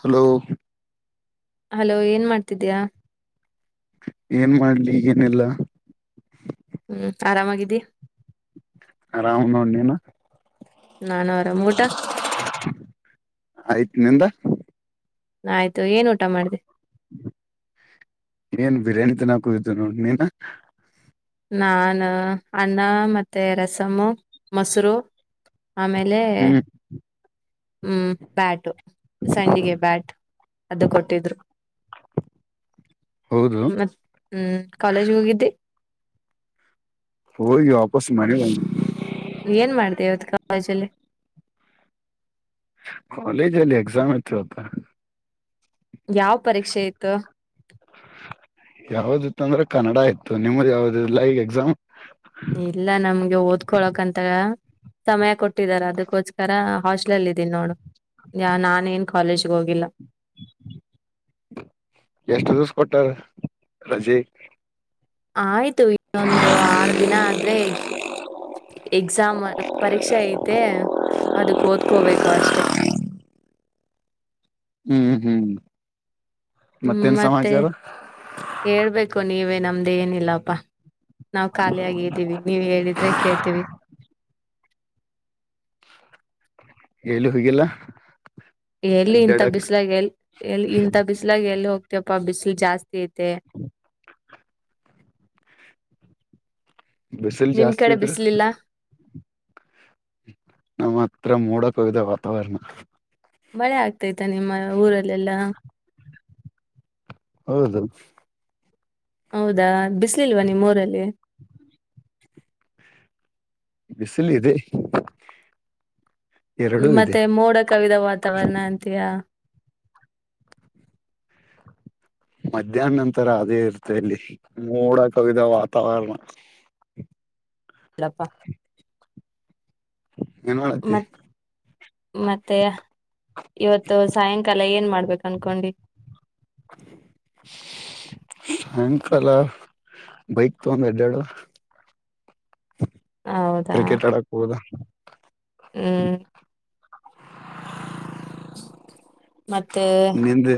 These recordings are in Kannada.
ಹಲೋ ಹಲೋ ಏನ್ ಮಾಡ್ತಿದ್ಯ ಏನ್ ಮಾಡ್ಲಿ ಏನೆಲ್ಲ ಹ್ಮ್ ಆರಾಮಾಗಿದ್ದಿ ಆರಾಮ್ ನೋಡ್ ನೀನಾ ನಾನೂರಬಊಟಾ ಆಯ್ತು ನಿಂದ ಆಯ್ತು ಏನ್ ಊಟ ಮಾಡ್ದ ಏನ್ ಬಿರಿಯಾನಿ ತನ್ನಕುದತು ನೋ ನೀನ ನಾನ್ ಅನ್ನ ಮತ್ತೆ ರಸಮ ಮೊಸರು ಆಮೇಲೆ ಹ್ಮ್ ಹ್ಮ್ ಬ್ಯಾಟ ಸಂಡಿಗೆ ಬ್ಯಾಟ್ ಅದು ಕೊಟ್ಟಿದ್ರು ಹೌದು ಮತ್ತ ಹ್ಮ್ ಕಾಲೇಜ್ ಹೋಗಿದ್ದೆ ಹೋಗ ವಾಪಸ್ ಮನೆ ಏನ್ ಮಾಡ್ದ ಇವತ್ ಕಾಲೇಜಲ್ಲಿ ಕಾಲಜ್ ಅಲ್ಲಿ ಎಕ್ಸಾಮ್ತತ ಯಾವ ಪರೀಕ್ಷೆ ಇತ್ತು ಂದ್ರೆ ಕನ್ನಡ ಇತ್ತು ನಿಮ್ದ ಯಾವ್ದು ಲೈವ್ ಎಕ್ಸಾಮ್ ಇಲ್ಲ ನಮ್ಗೆ ಓದ್ಕೊಳಕಂತ ಸಮಯ ಕೊಟ್ಟಿದಾರ ಅದಕ್ಕೋಸ್ಕರ ಹಾಸ್ಟ್ಲ್ ಅಲ್ ಇದೀನಿ ನೋಡು ಯ ನಾನ ನ್ ಕಾಲೇಜ್ಗ ಹೋಗಿಲ್ಲ ಎಷ್ಟು ದಿವಸ ಕೊಟ್ಟಾರ ರಜೆ ಆಯ್ತು ಇನ್ನೊಂದು ಆರು ದಿನ ಆದ್ರೆ ಎಕ್ಸಾಮ್ ಪರೀಕ್ಷೆ ಐತೆ ಅದಕ್ಕ ಓದ್ಕೋಬೇಕು ಅಷ್ಟೆ ಹ್ಮ್ ಹ್ಮ್ ಹ್ಮ ಮತ್ತೇನ್ ಮತ್ತೆ ಸಮಾಚಾರ ಹೇಳ್ಬೇಕು ನೀವೇ ನಮ್ದು ಏನಿಲ್ಲಪ್ಪಾ ನಾವವು ಖಾಲಿಿಯಗ್ದೀವಿ ನೀವ ಹೇಳಿದ್ರೆ ಕೇಳ್ತೀವಿ ಎಲ್ಲಿ ಹಗಿಲ್ಲ ಎಲ್ಲಿ ಇಂಥ ಬಿಸಲಾಗ ಎಲ್ಲಿ ಎ ಇಂಥ ಬಿಸ್ಲಾಗ ಎಲ್ಲಿ ಹೋಗ್ತಪ್ಪ ಬಿಸಲು ಜಾಸ್ತಿ ತತೆ ಬಿಸಿಲ್ ನಿಮ್ ಜಾಸ್ತಿ ಕಡೆ ಇದ್ರ ಬಿಸಲಿಲ್ಲ ನಮ್ಮ ಹತ್ರ ಮೋಡ ಕವಿದ ವಾತಾವರಣ ಮಳೆ ಆಗ್ತೈತ ನಿಮ್ಮ ಊರಲ್ಲೆಲ್ಲಾ ಹೌದು ಹೌದಾ ಬಿಸ್ಲಿಲ್ವಾ ನಿಮ್ಮ ರಲ್ಲಿ ಬಿಸಿಲ ಇದೆ ಎರಡೂ ಇದೆ ಮತ್ತೆ ಮೋಡ ಕವಿದ ವಾತಾವರಣ ಅಂತಯಾ ಮಧ್ಯಾಹ್ನ ನಂತರ ಅದೇ ಇರ್ತ ಅಲ್ಲಿ ಮೋಡ ಕವಿದ ವಾತಾವರಣ ಎಲ್ಲಪ್ಪ ಏನ್ ಮಾಡತಿ ಮ ಮತ್ತೆ ಇವತ್ತು ಸಾಯಂಕಾಲ ಎಲ್ಲ ಏನ್ ಮಾಡ್ಬೇಕು ಅನ್ಕೊಂಡಿ ಸಾಯಂಕಾಲ ಬೈಕ್ ತಗೊಂಡ ಎಡಾಡು ಹೌದಾ ಕ್ರಿಕೆಟ್ ಆಡಕ್ ಹೋುದ ಹ್ಮ್ ಮತ್ತೆ ನಿಂದೆ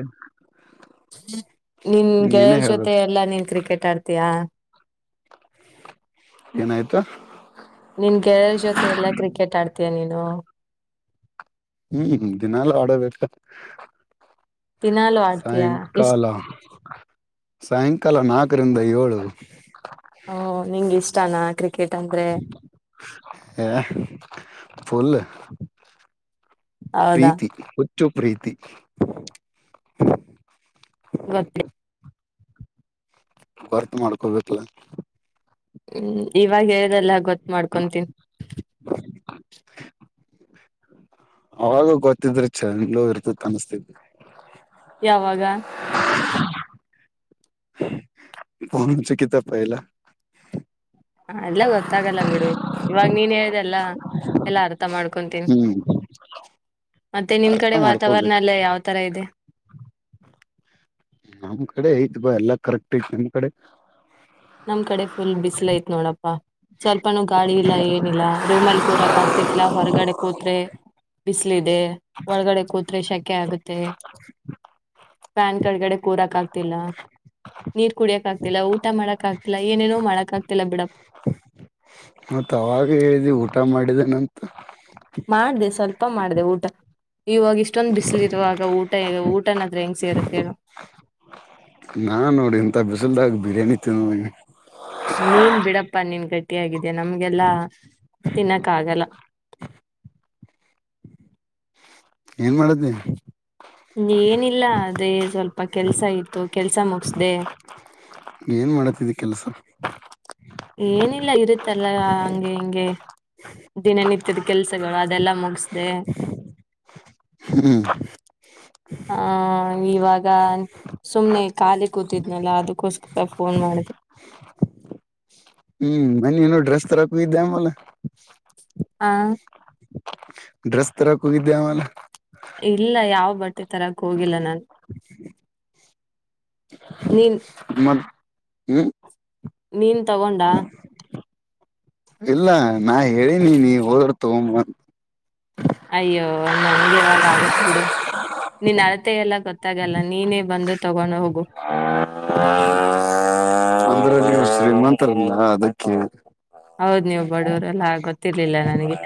ನಿನ್ ನೀನೇ ಗೆಳೆಯರ್ ಜೊತೆ ಹೇಳ್ಬೇಕು ಎಲ್ಲಾ ನೀನ್ ಕ್ರಿಕೆಟ್ ಆಡ್ತೀಯಾ ಏನಾಯ್ತಾ ಮತ್ತೇ ನೀನುೋ ಹ್ಮ್ ದಿನಾಲ ಆಡಬೇಕ ದಿನಾಲೂ ಆಡ್ತೀಯಾ ಇಷ್ಟ ಸಾಯಂಕಾಲ ಸಾಯಂಕಾಲ ನಾಕರಿಂದ ಏಳು ಹ ನಿಂ ಇಷ್ಟಾನ ಕ್ರ ಹ ಫುಲ್ ಹೌದಾ ಪ್ರೀತಿ ಹುಚ್ಚು ಪ್ರೀತಿ. ಗೊತ್ತ ಹೊರ್ತ ಮಾಡ್ಕೋಬೇಕು ಹ್ಮ್ ಇವಾಗ ಹೇಳಿದೆಲ್ಲ ಗೊತ್ ಮಾಡ್ಕೊತೀನಿ ಅವಾಗ ಗೊತ್ತಿದ್ರೆ ಚ ಇಲ್ಲೂ ಇರ್ತ ಅನ್ಸ್ತಿದ ಯಾವಾಗ [unintelligible] ಕತ್ತ ಪಹಲ್ಲ ಹ ಎಲ್ಲ ಗೊತ್ತಾಗಲ್ಲ ಬಿಡು ಇವಾಗ ನೀನ್ ಹೇಳ್ದಲ್ಲಾ ಎಲ್ಲ ಅರ್ ಅರ್ಥ ಮಾಡ್ಕೊಂತೀನಿ ಹ್ಮ್ ಮತ್ತೆ ನಿಮ್ ಅರ್ಥ ಕಡೆ ವಾತಾವರಣ ಮಾಡ್ಕೋಬೇಕು ಎಲ್ಲ ಯಾವ್ ತರ ಇದೆ. ನಮ್ ಕಡೆ ಐತ್ ಬಾ ಎಲ್ಲಾ ಕರೆಕ್ಟ್ ಐತ್ ನಿಮ್ ಕಡೆ ನಮ್ ಕಡೆ ಫುಲ್ ಬಿಸಿಲ ಐತ್ ನೋಡಪ್ಪಾ ಸ್ವಲ್ಪನೂ ಗಾಳಿ ಇಲ್ಲ ಏನಿಲ್ಲ ರೂಮಲ್ಲಿ ಕೂರಕ್ ಬಿಸಿಲದೆ ಒಳಗಡೆ ಕೂತ್ರೆೆ ಶಕೆ ಆಗುತ್ತೆ. ಪ್ಯಾನ್ ಕೆಳಗಡೆ ಕೂರಕ್ ಆಗ್ತಿಲ್ಲ ನೀರ್ ಕುಡಿಯಕ್ ಆಗ್ತಿಲ್ಲ ಊಟ ಮಾಡಕ್ ಆಗ್ತಿಲ್ಲಾ ಏನೇನೋ ಮಾಡಕ್ ಆಗ್ತಿಲ್ಲ ಬಿಡಪ್ಪ ಮತ್ತ ಅವಾಗ ಹೇಳಿದಿ ಊಟ ಮಾಡಿದನಂತ ಮಾಡ್ದ ಸ್ವಲ್ಪ ಮಾಡ್ದ ಊಟ ಇವಾಗ ಇಷ್ಟೊಂದು್ ಬಿಸಿಲು ಇರುವಾಗ ಊಟ ಊಟನಾದ್ರ ಹೆಂಗ್ ಸೇರುತ್ತೇಳು ನಾ ನೋಡಿ ಇಂತ ಬಿಸಿಲ್ದಾಗ ಬಿರಿಯಾನಿ ತಿಂದ ಬಂದೀನಿ ನೀನ್ ಬಿಡಪ್ಪ ನೀನ್ ಗಟ್ಟಿಯಾಗಿದಿಯಾ ನಮ್ಗೆಲ್ಲಾ ತಿನ್ನಕ್ ಆಗಲ್ಲ ಏನ್ ಮಾಡ್ದೆ ಏನಿಲ್ಲ ಅದೇ ಸ್ವಲ್ಪ ಕೆಲ್ಸ ಇತ್ತು ಕೆಲ್ಸ ಮುಗಸ್ದೆ ಏನ್ ಮಾಡತಿದಿ ಕೆಲ್ಸ. ಏನಿಲ್ಲ ಇರುತ್ತಲ್ಲ ಹಂಗೆ ಹಿಂಗೆ ದಿನನಿತ್ಯದ ಕೆಲ್ಸಗಳು ಅದೆಲ್ಲ ಮುಗಸ್ದ ಹ್ಮ್ ಹಾ ಹಾ ಇವಾಗ ಸುಮ್ನೆ ಕಾಲಿ ಕೂತಿದ್ನಲ್ಲ ಅದಕ್ಕೋಸ್ಕರ ಫೋನ್ ಮಾಡಿದೆ. ಹ್ಮ್ ಮನ್ನಿಏನು ಡ್ರೆಸ್ ತರಕ ಹೋಗಿದ್ದ ಮಲ ಆ ಡ್ರೆಸ್ ತರಕ ಹೂಗಿದ್ದೆ ಆಮಲೆ ಇಲ್ಲ ಯಾವ ಬಟ್ ಮ ತರಕ್ಕೆ ಹೋಗಿಲ್ಲ ನಾನು ನೀನ್ ಹ್ಮ ನೀನ್ ತಗೊಂಡಾ ಇಲ್ಲ ನಾ ಹೇಳಿನಿ ನೀ ಹೋದರ ತಗೋಂಬಂತ ಅಯ್ಯೋ ನನ್ಗೆ ಯಾವಾಗ ಆಗತ್ ಬಿಡು ನೀನ್ ಅಳತೆ ಎಲ್ಲ ಗೊತ್ತಾಗಲ್ಲ ನೀನೇ ಬಂದು ತಗೊಂಡು ಹೋಗು. ಅಂದ್ರ ಶ್ರೀಮಂತರಲ್ಲ ಅದಕ್ಕೆ ಹೌದ್ ನೀವು ಬಡವರೆಲ್ಲಾ ಗೊತ್ತಿರ್ಲಿಲ್ಲ ನನಗೆ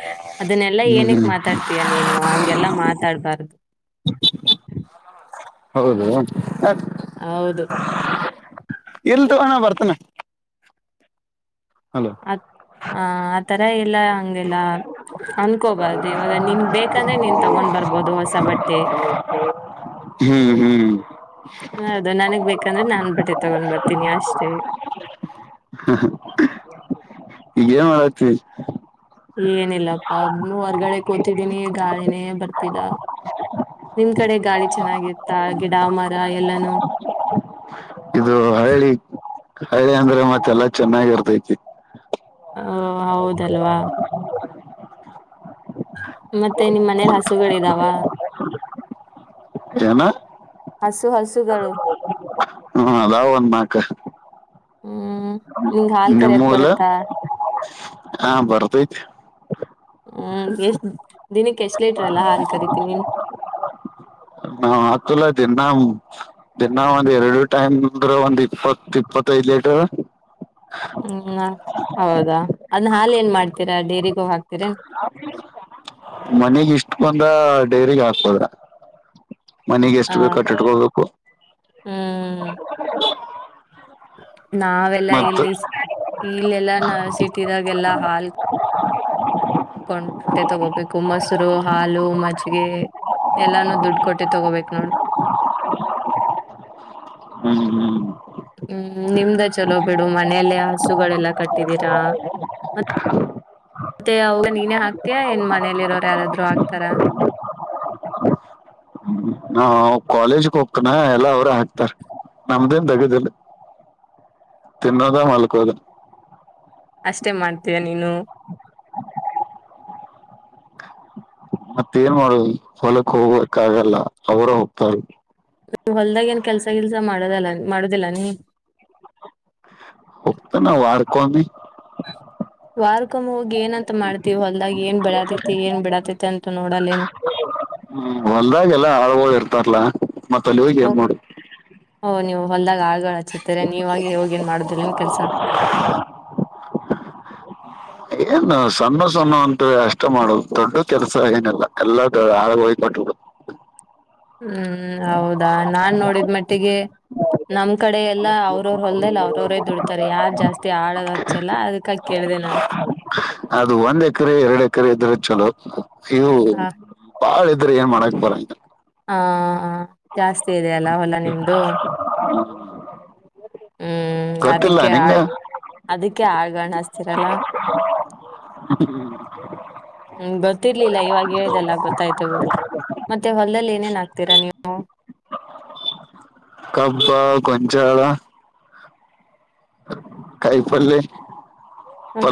ಅದನ್ನೆಲ್ಲಾ ಹ್ಮ್ ಏನಕ್ ಹ್ಮ್ ಮಾತಾಡ್ತೀಯಾ ನೀನು ಹಂ ಹಂಗೆಲ್ಲ ಮಾತಾಡ್ಬಾರ್ದು ಹೌದು ಹೌದು ಇಲ್ ತಗೋ ಅಣ್ಣ ಬರ್ತ [inaudible] ಹಲೋ ಹ ಆ ತರ ಎಲ್ಲ ಹಂಗೆಲ್ಲ. ಅನ್ಕೋಬಾರ್ದು ಇವಾಗ ನಿನ್ ಬೇಕಂದ್ರೆ ನೀನ್ ತಗೊಂಡ್ ಬರ್ಬೋದು ಹೊಸ ಬಟ್ಟೆ ಹ್ಮ್ ಹ್ಮ್ ಯಾಕಂದ್ರೆ ನಾನ್ ಬಟ್ಟೆ ತಗೊಂಡ್ ಬರ್ತೀನಿ ಅಷ್ಟೇ. ಈಗೇನ್ ಮಾಡತಿ ಏನಿಲ್ಲಪ್ಪ ಹೊರ್ಗಡೆ ಕೂತಿದೀನಿ ಗಾಳಿನೇ ಬರ್ತಿದ ನಿಮ್ ಕಡೆ ಗಾಳಿ ಚೆನ್ನಾಗಿತ್ತ ಗಿಡ ಮರ ಎಲ್ಲಾನೂ ಇದು ಹಳ್ಳಿ ಹಳ್ಳಿ ಅಂದ್ರೆ ಮತ್ತೆಲ್ಲಾ ಚೆನ್ನಾಗಿರ್ತೈತಿ ಹ ಹೌದಲ್ವಾ ಮತ್ತೆ ನಿಮ್ಮ್ ಮನೇಲಿ ಹಸುಗಳಿದಾವ ನ ಹಸು ಹಸು ಹ್ಮ ಅದಾವ ಒಂದ ನಕ್ ಹ್ಮ್ ನಿಂಗ್ ಹಾಲ್ ಕರಿಯಕ್ ನಿಮ್ಮೂಲ ಬರುತ್ತಾ ಹ ಬರ್ತೈತಿ ಹ್ಮ್ ಎಷ್ಟ ದಿನಕ್ಕೆ ಎಷ್ಟ ಲೇಟ್ರಲ್ಲ ಹಾಲ್ ಕರಿೀತೀನ ನೀನ್ ನಾವ್ ಆತಲ್ಲ ದಿನ ದಿನಾ ಒಂದ್ ಎರಡು ಟೈಮ್ ಅ್ರ ಒಂದ್ ಇಪ್ಪತ್ ಇಪ್ಪತ್ತು ಕ ಲಟ ಹ್ಮ ಹೌದಾ ಅದ್ ಹಾಾಲ ಏನ್ ಮಾಡ್ತೀರಾ ಡೈರಿಗೋಗ ಹಾಕ್ತೀರ ಮನೆಗ್ ಇಷ್ಟ ಬಂದ್ರ ಡೈರಿಗ್ ಹಾಕ್ಬೋದ್ರ ಮನೆಗ್ ಎಷ್ಟು ಆ ಬೇಕು ಅಟ್ಟಿಟ್ಕೊಬೇಕು ಹ್ಮ್ ನಾವೆಲ್ಲಾ ಮತ್ ಇಲ್ಲಿ ಇಲ್ಲೆಲ್ಲಾ ನ ಸಿಟಿದಾಗೆಲ್ಲಾ ಹಾಲ್ ಕೊಂಡೆ ತಗೋಬೇಕು ಎಲ್ಲಾನೂ ದುಡ್ಡು ಕೊಟ್ಟೆ ತಗೋಬೇಕ ನೋಡು ಹ್ಮ್ ಹ್ಮ್ ಹ್ಮ್ ನಿಮ್ದ ಚಲೋ ಬಿಡು ಮನೆಯಲ್ಲೇ ಹಸುಗಳೆಲ್ಲ ಕಟ್ಟಿದೀರಾ ಮತ್ತೆ ಅವಾಗ ನೀನೇ ಹಾಕ್ತಯ ಏನ್ ಮನಲಿ ಇರೋರು ಯಾರಾದ್ರು ಹಾಕ್ತಾರ ಹಾ ಕಾಲೇಜಕ್ ಹಕನ ಎಲ್ಲಾ ಅವ್ರ ಹಾಕ್ತಾರ ನಮ್ದೇನ್ ದಗದಿಲ್ಲ ತಿನ್ನೋದಾ ಮಾಡಲಕೋದ ಅಷ್ಟೆ ಮಾಡ್ತೀಯ ನೀನು ಮತ್ತ ಏನ್ ಮಾಡುದು ಹೊಲಕ್ಕೆ ಹೋಗ್ಬೇಕಕ್ ಆಗಲ್ಲ ಅವರ ಹೋಗತಾರ ಹೊಲ್ದಾಗ ಏನ್ ಕೆಲ್ಸ ಕೆಲ್ಸ ಮಾಡದಲ್ಲ ಮಾಡುದಿಲ್ಲ ನೀ ಕಬಿ ವಾರ್ಕೊಮ್ಮ್ ಹೋಗಿ ಏನಂತ ಮಾಡ್ತೀವ ಹೊಲ್ದಾಗ ಏನ್ ಬಿಡತೈತಿ ಏನ್ ಬಿಡತೈತಿ ಅಂತ ನೋಡಲ್ಲೇನು ಹ್ಮ ಹೊಲ್ದಾಗ ಎಲ್ಲ ಹಳ್ ಹಳ ಇರ್ತ ಮತ್ತ ಅಲ್ಲಿ ಹೋಗಗೆನ್ ನೋಡಿ ಓ ನೀವು ಹೊಲ್ದಾಗ ಆಳ್ಗಳು ಹಚ್ಚಿರ್ತಾರೆ ನೀವಗ ಹೋಗ ನ್ ಮಾಡುದಿಲ್ಲನ್ ಕೆಲ್ಸ ಏನು ಸಣ್ಣ ಸಣ್ಣ ಅಂತ ಅಷ್ಟ ಇಷ್ಟ ಮಾಡುದು ದೊಡ್ಡ ಕೆಲಸ ನಲ್ಲ ಎಲ್ಲಾ ಆಳ ಹೋಗ್ಪಟ್ಟುದು ಹ್ಮ್ ಹೌದಾ ನಾನ್ ನೋಡಿದ ಮಟ್ಟಿಗೆ ನಮ್ ಕಡೆ ಎಲ್ಲಾ ಅವ್ರವ್ರ ಹೊಲ್ದಲ್ಲ ಅವ್ರವರೇ ದುಡ್ತಾರೆ ಯಾರ್ ಜಾಸ್ತಿ ಆಡೋ ಹಚ್ಚಲ್ಲ ಅದಕ ಕೇಳ ದೇ ನಾನು ಅದು ಒಂದ್ ಎಕರೆ ಎರಡು ಎಕರೆ ಇದ್ರೆ ಚಲೋ ಇವು ಹ ಬಾಳ ಇದ್ರ ಏನ್ ಮಾಡಾಕ್ ಬರ ಹಾ ಜಾಸ್ತಿ ಇದೆಯಲ್ಲ ಹೊಲ ನಿಮ್ದು ಹ್ಮ್ ಗೊತ್ತಿಲ್ಲ ಅದಕ್ಕೆ ನಿಂಗ ಆಳ್ ಅದಕ್ಕೆ ಹಳ್ಗಾಣಸ್ತೀರಲ್ಲ ಹ್ಮ್ ಹ್ಮ್ ಗೊತ್ತಿರ್ಲಿಲ್ಲ ಇವಾಗ ಹೇಳಿದೆಲ್ಲ ಗೊತ್ತಾಯ್ತು ಬಿ ಮತ್ತೆ ಹೊ ಅಲ್ಲಲ್ಲಿ ಏನೇನ್ ಆಗ್ತೀರಾ ನೀವು ಕಬ್ಬ ಕೊಂಚ ಕೈ ಪ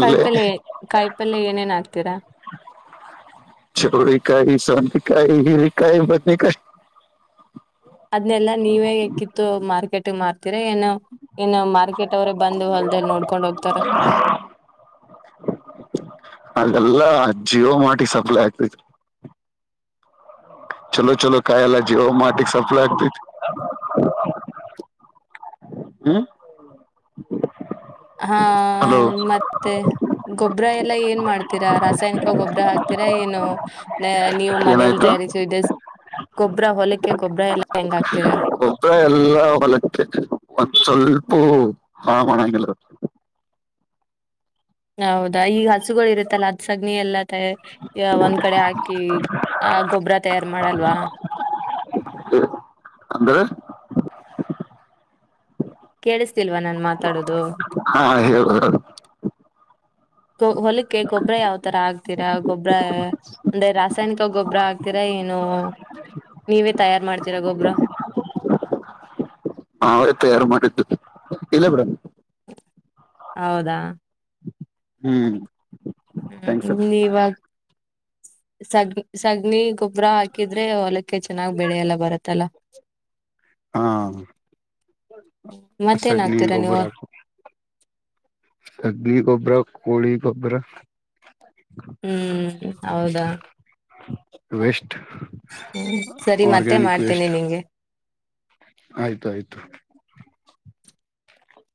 ಕಾಯಿಪಲ್ ಕಾಯಿಪಲ್ಯ ಏನೇನ್ ಆಕ್ತೀರಾ ಚೌರಿ ಕಾಯ ಸಂತ ಕಾಯ ಹಿರಿ ಕಾಯ ಬತ್ನಿ ಕಾಯ ಅದ್ನೆಲ್ಲಾ ನೀವೇ ಎಕ್ಕಿತ್ತು ಮಾರ್ಕೆಟಿಂಗ್ ಮಾಡ್ತೀರ ಏನೋ ಇನ್ನು ಮಾರ್ಕೆಟ್ ಅವ್ರೇ ಬಂದು ಹೊಲ್ದಲ್ ನೋಡ್ಕೊಂಡ್ ಹೋಗ್ತಾರ ಅದ ಜಿಯೋ ಮಾರ್ಟ್ಗೆ ಸಪ್ಲೈ ಆಗತೈತಿ ಚಲೋ ಚಲೋ ಕಾಯೆಲ್ಲ ಜಿಯೋ ಮಾರ್ಟಿಗೆ ಸಪ್ಲೈ ಆಗ್ತತಿ ಹ್ಮ ಹಾ ಹಲೋ ಮತ್ತೆ ಗೊ ಗೊಬ್ಬ್ರ ಎಲ್ಲಾ ಏನ್ ಮಾಡ್ತೀರಾ ರಾಸಾಯನಿಕ ಗೊಬ್ಬ್ರ ಹಾಕ್ತಿರಾ ಏನು ನ ನೀವು ಮನೇೆಯಲ್ಲಿ ಏನಾಯ್ತು ತಯಾರಿಸ ಗೊಬ್ಬ್ರ ಹೊಲಕ್ಕೆ ಗೊಬ್ಬ್ರ ಎಲ್ಲ ಹೆಂಗ ಆಗ್ತೀರಾ ಒಬ್ಬರ ಎಲ್ಲ ಹೊಲಕ್ಕೆ ಒಂದು ಸ್ವಲ್ಪೂ ಹಾಳು ಮಾಡಣಾಗಿಲ್ ಹೌದಾ ಈಗ ಹಸುಗಳು ಇರುತ್ತಲ್ಲಾ ಅದ್ ಸಗಣಿ ಎಲ್ಲ ಮತ್ತೆ ಒಂದ್ ಕಡೆ ಹಾಕಿ ಆ ಗೊಬ್ಬರ ತಯಾರ್ ಮಾಡಲ್ವಾ ಅಂದ್ರೆ ಕೇಳಿಸತಿಲ್ವಾ ನಾನ್ ಮಾತಾಡೋದು ಹಾ ಹೇಳ್ರಿ ಹೊಲಕ್ಕೆ ಗೊಬ್ಬ್ರ ಯಾವ ತರ ಆಗ್ತೀರಾ ಗೊಬ್ಬ್ರ ಅಂದ್ರೆ ರಾಸಾಯನಿಕ ಗೊಬ್ಬರ ಆಕ್ತೀರ ಏನು ನೀವೇ ತಯಾರು ಮಾಡ್ತೀರಾ ಗೊಬ್ಬ್ರ ನಾವೆ ತಯಾರು ಮಾಡಿದ್ದು ಇಲ್ಲ ಬಿಡ ಹೌದಾ ಹ್ಮ್ ಹ್ಮ್ ಥ್ಯಾಂಕ್ಸ್ ಇಲ್ಲಿ ಈವಾಗ ಸಗಣಿ ಗೊಬ್ಬರ ಹಾಕಿದ್ರೆ ಹೊಲಕ್ಕೆ ಚೆನ್ನಾಗ್ ಬೆಳೆ ಎಲ್ಲ ಬರತ್ತಲ್ಲಾ ಹಾ ಮತ್ತೇನ್ ಸಗಣಿ ಹಾಕ್ತೀರಾ ಗೊಬ್ಬರ ನೀವು ಸಗಣಿ ಗೊಬ್ಬರ ಕೋಳಿ ಗೊಬ್ಬರ ಹ್ಮ್ ಹೌದಾ ವೇಸ್ಟ್ ಹ್ಮ ಸರಿ ಮತ್ತೆ ಮಾಡ್ತೇನೀ ನಿಮಗೆ ಆಯ್ತಾಯಯ್ತು